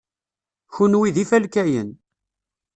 Kenwi d ifalkayen.